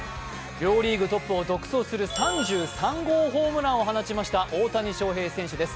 両リーグトップを独走する３３号ホームランを放ちました大谷翔平選手です。